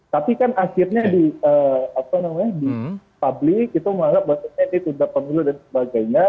tapi kan akhirnya di publik itu menganggap bahwa ini tunda pemilu dan sebagainya